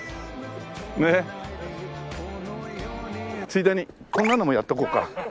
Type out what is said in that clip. ついでにこんなのもやっとこうか。